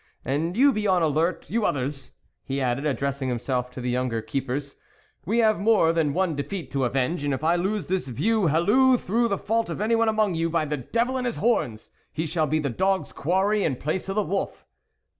... And you be on the alert, you others," he added, addressing himself to the younger keepers," " we have more than one defeat to avenge, and if I lose this view halloo through the fault of anyone among you, by the devil and his horns ! he shall be the dogs' quarry in place of the wolf